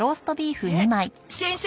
先生